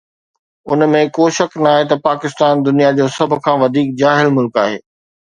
ان ۾ ڪو شڪ ناهي ته پاڪستان دنيا جو سڀ کان وڌيڪ جاهل ملڪ آهي